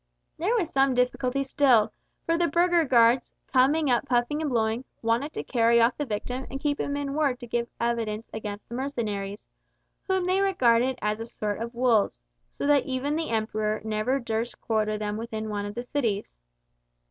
There was some difficulty still, for the burgher guards, coming up puffing and blowing, wanted to carry off the victim and keep him in ward to give evidence against the mercenaries, whom they regarded as a sort of wolves, so that even the Emperor never durst quarter them within one of the cities.